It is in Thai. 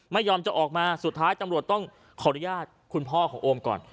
ไม่ยอมจะออกมาสุดท้ายตำรวจต้องขออนุญาตคุณพ่อของโอมก่อน